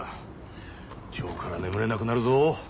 今日から眠れなくなるぞ。